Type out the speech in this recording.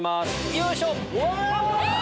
よいしょ！